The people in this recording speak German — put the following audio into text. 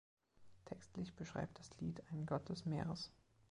Textlich beschreibt das Lied einen Gott des Meeres.